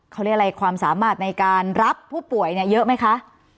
เขาเรียกอะไรความสามารถในการรับผู้ป่วยเนี่ยเยอะไหมคะ